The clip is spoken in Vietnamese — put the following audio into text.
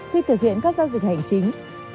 khi thực hiện các giao dịch hành chính